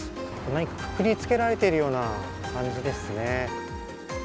なにかくくりつけられているような感じですね。